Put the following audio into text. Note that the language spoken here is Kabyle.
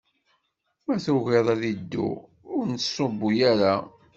Ma tugiḍ ad iddu, ur nettṣubbu ara.